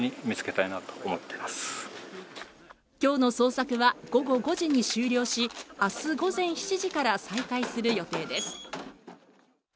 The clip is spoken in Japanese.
今日の捜索は午後５時に終了し明日午前７時から再開する予定です。